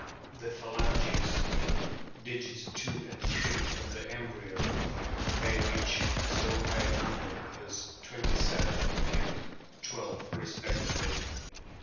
The phalanges in digits II and III of the embryo may reach so high a number as twenty seven and twelve respectively.